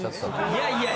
いやいや。